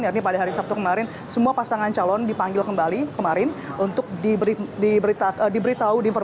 yakni pada hari sabtu kemarin semua pasangan calon dipanggil kembali kemarin untuk diberitahu diinformasikan mana saja berkas berkas yang belum lengkap